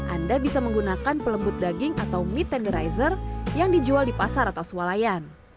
anda bisa menggunakan pelembut daging atau meet andrizer yang dijual di pasar atau sualayan